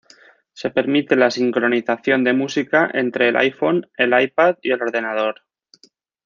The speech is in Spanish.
Se permite la sincronización de música entre el iPhone el iPad y el ordenador.